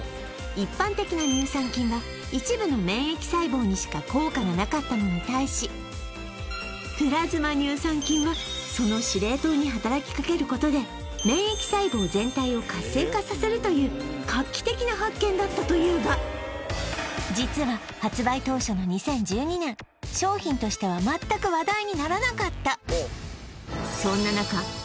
一般的な乳酸菌は一部の免疫細胞にしか効果がなかったのに対しプラズマ乳酸菌はその司令塔に働きかけることで免疫細胞全体を活性化させるという画期的な発見だったというが実は発売当初の２０１２年商品としては全く話題にならなかったそんな中